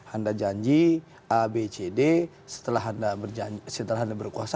anda janji a b c d setelah anda sederhana berkuasa